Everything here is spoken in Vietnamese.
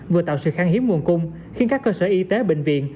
vừa tạo sự kháng hiếm nguồn cung khiến các cơ sở y tế bệnh viện